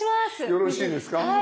よろしいですか？